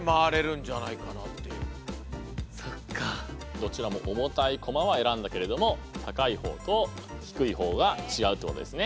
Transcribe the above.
どちらも重たいコマは選んだけれども高い方と低い方が違うってことですね。